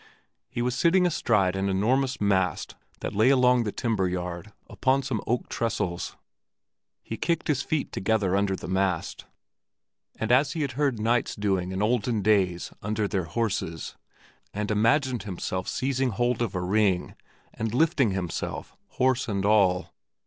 He was sitting astride an enormous mast that lay along the timber yard upon some oak trestles. He kicked his feet together under the mast, as he had heard of knights doing in olden days under their horses, and imagined himself seizing hold of a ring and lifting himself, horse and all.